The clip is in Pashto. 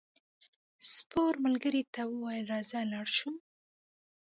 سپور ملګري ته وویل راځه لاړ شو.